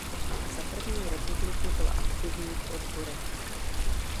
Za první republiky byl aktivní v odborech.